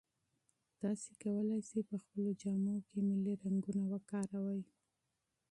تاسي کولای شئ په خپلو جامو کې ملي رنګونه وکاروئ.